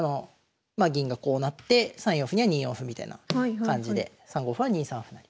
銀がこうなって３四歩には２四歩みたいな感じで３五歩は２三歩成。